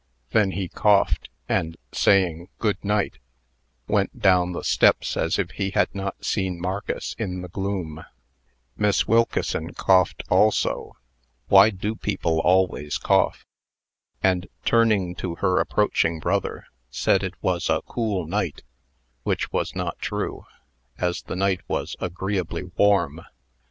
Then he coughed, and, saying "Good night," went down the steps, as if he had not seen Marcus in the gloom. Miss Wilkeson coughed also (why do people always cough?), and, turning to her approaching brother, said it was a cool night, which was not true, as the night was agreeably warm.